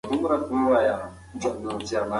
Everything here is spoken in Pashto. تاسو باید په خپلو پټیو کې کیمیاوي سره کمه وکاروئ.